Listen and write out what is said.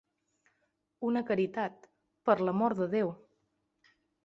Una caritat, per l'amor de Déu!